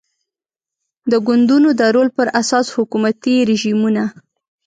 د ګوندونو د رول پر اساس حکومتي رژیمونه